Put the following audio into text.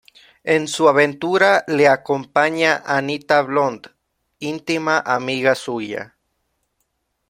En su aventura le acompaña Anita Blond, intima amiga suya.